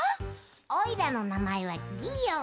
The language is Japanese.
おいらのなまえはギーオン。